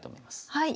はい。